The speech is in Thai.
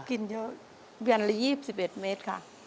กินเยอะเดือนละ๒๑เมตรค่ะ